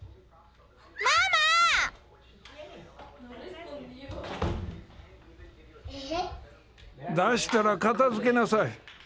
ママ！出したら片づけなさい！